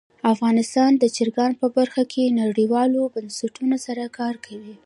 افغانستان د چرګان په برخه کې نړیوالو بنسټونو سره کار کوي.